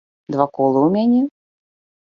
Два колы ў мяне?